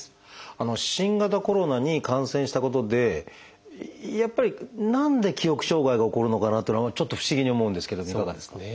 新型コロナに感染したことでやっぱり何で記憶障害が起こるのかなっていうのがちょっと不思議に思うんですけどもいかがですか？